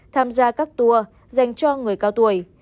tham gia các tour dành cho người cao tuổi